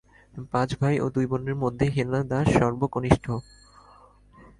পাঁচ ভাই ও দুই বোনের মধ্যে হেনা দাস সর্ব কনিষ্ঠ।